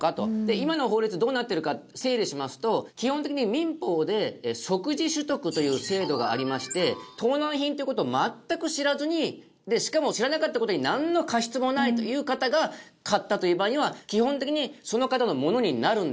今の法律どうなってるか整理しますと基本的に民法で即時取得という制度がありまして盗難品という事を全く知らずにしかも知らなかった事になんの過失もないという方が買ったという場合には基本的にその方のものになるんですね。